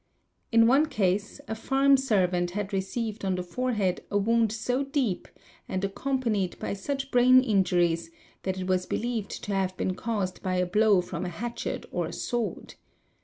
In one case, a farm servant had received on the. forehead a wound so deep and accompanied by such brain injuries that | it was believed to have been caused by a blow from a hatchet or a sword.